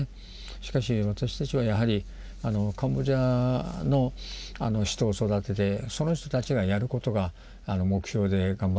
しかし私たちはやはりカンボジアの人を育ててその人たちがやることが目標で頑張ってきましたので。